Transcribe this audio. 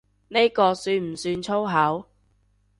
呢個算唔算粗口？